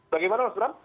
bagaimana mas beran